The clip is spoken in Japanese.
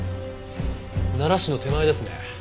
奈良市の手前ですね。